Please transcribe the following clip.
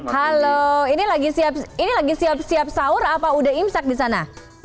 halo ini lagi siap sahur apa udah imsak disana